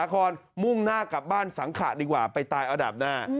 กลับบ้านสังขะดีกว่าไปตายอดับหน้า